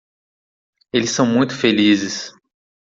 Eles são muito felizes